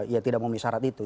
ya tidak memenuhi syarat itu